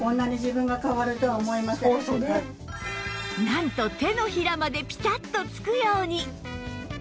なんと手のひらまでピタッとつくように